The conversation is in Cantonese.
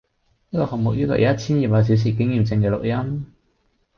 呢個項目要求一千二百小時經驗証嘅錄音